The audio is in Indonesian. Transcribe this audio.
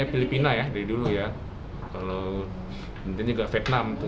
filipina ya dari dulu ya kalau nanti juga vietnam tuh